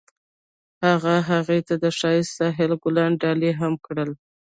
هغه هغې ته د ښایسته ساحل ګلان ډالۍ هم کړل.